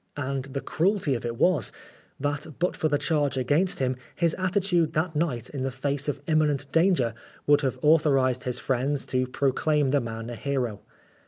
And the cruelty of it was, that but for the charge against him, his attitude that night in the face of imminent danger would have authorised his friends to proclaim the man a hero.